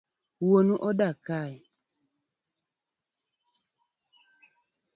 Wuonu odak kae?